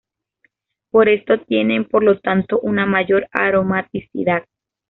Por esto tienen por lo tanto una mayor aromaticidad.